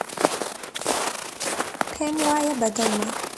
پێم وایە بەدڵمە.